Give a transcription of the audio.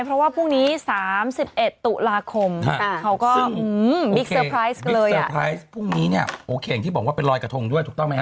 พรุ่งนี้เนี่ยโอเคอย่างที่บอกว่าเป็นรอยกระทงด้วยถูกต้องไหมฮะ